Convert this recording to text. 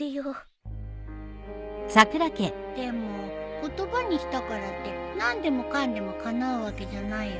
でも言葉にしたからって何でもかんでもかなうわけじゃないよ。